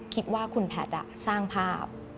คิดว่าคุณแพทย์สร้างภาพ